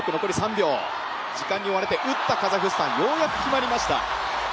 時間に追われて打ったカザフスタン、ようやく決まりました